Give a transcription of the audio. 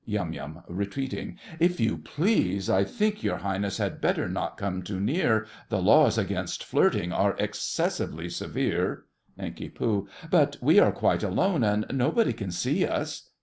YUM. (retreating). If you please, I think your Highness had better not come too near. The laws against flirting are excessively severe. NANK. But we are quite alone, and nobody can see us.